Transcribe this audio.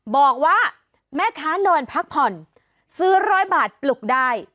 บอกว่าแม่ค้านอนพักผ่อนซื้อร้อยบาทปลุกได้